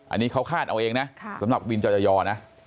อันนี้เขาคาดเอาเองนะสำหรับวินจอจายอนะ